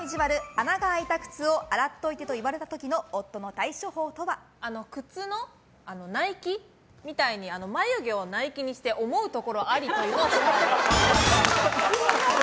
穴が開いた靴を洗っといてと靴のナイキみたいに眉毛をナイキにして思うところありと言う。